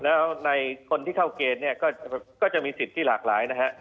แล้วในคนที่เข้าเกณฑ์เนี่ยก็จะมีสิทธิ์ที่หลากหลายนะฮะ